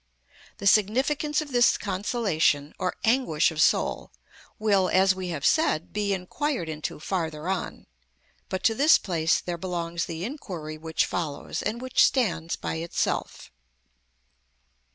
The significance of this consolation or anguish of soul will, as we have said, be inquired into farther on; but to this place there belongs the inquiry which follows, and which stands by itself.